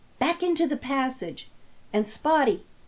Back into the passage! And, Spottie!